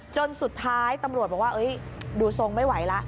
จนสุดท้ายตำรวจบอกว่าดูทรงไม่ไหวแล้ว